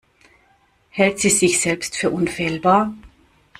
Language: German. Hält sie sich selbst für unfehlbar?